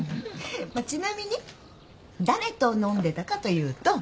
まあちなみに誰と飲んでたかというと。